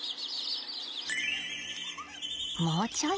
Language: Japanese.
もうちょい。